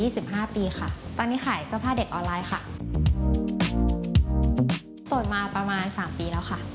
โสดมาประมาณ๓ปีแล้วค่ะ